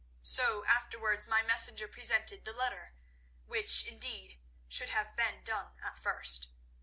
So afterwards my messenger presented the letter, which, indeed, should have been done at first.